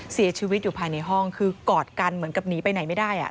เสียชีวิตอยู่ภายในห้องคือกอดกันเหมือนกับหนีไปไหนไม่ได้อ่ะ